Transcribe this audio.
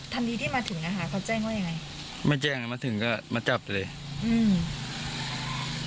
ทันทีที่มาถึงนะคะเขาแจ้งว่ายังไงไม่แจ้งอ่ะมาถึงก็มาจับเลยอืม